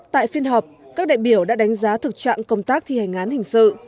tại phiên họp các đại biểu đã đánh giá thực trạng công tác thi hành án hình sự